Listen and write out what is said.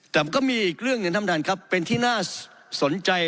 แต่มันก็มีอีกเรื่องหนึ่งท่านประธานครับเป็นที่น่าสนใจ